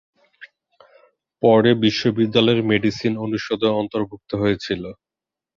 পরে বিশ্ববিদ্যালয়ের মেডিসিন অনুষদে অন্তর্ভুক্ত হয়েছিল।